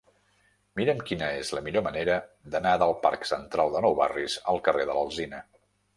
Mira'm quina és la millor manera d'anar del parc Central de Nou Barris al carrer de l'Alzina.